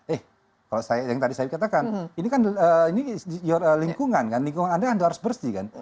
eh kalau saya yang tadi saya katakan ini kan lingkungan anda harus bersih kan